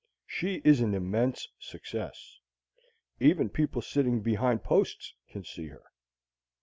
She is an immense success even people sitting behind posts can see her.